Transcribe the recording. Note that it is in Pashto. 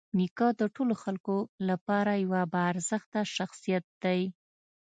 نیکه د ټولو خلکو لپاره یوه باارزښته شخصیت دی.